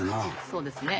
そうですね。